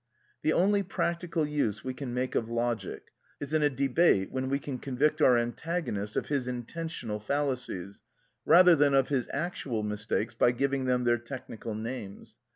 The only practical use we can make of logic is in a debate, when we can convict our antagonist of his intentional fallacies, rather than of his actual mistakes, by giving them their technical names.